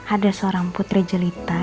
ada seorang putri jelita